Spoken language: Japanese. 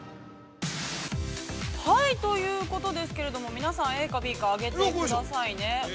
◆はい、ということですけれども、皆さんＡかＢか上げてくださいね。